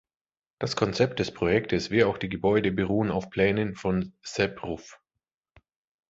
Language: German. Das Konzept des Projektes wie auch die Gebäude beruhen auf Plänen von Sep Ruf.